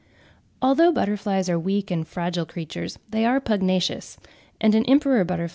Although butterflies are weak and fragile creatures, they are pugnacious, and an emperor butterfly (1.